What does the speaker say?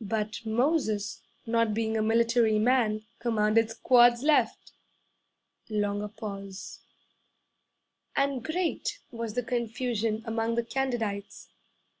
'But Moses not being a military man commanded, "Squads left!" (Longer pause.) 'And great was the confusion among the candidites.